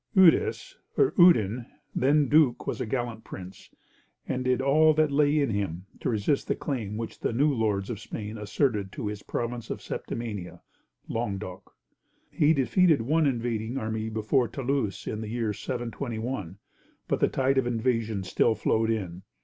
Eudes (or Eudin), then Duke, was a gallant prince, and did all that in him lay to resist the claim which the new lords of Spain asserted to his province of Septimania (Languedoc). He defeated one invading army before Toulouse in the year 721; but the tide of invasion still flowed in.